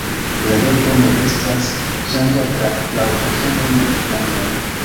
La verbo ne estas ŝanĝata laŭ personoj nek nombroj.